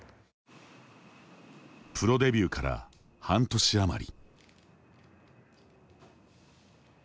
プロデビューから半年余り。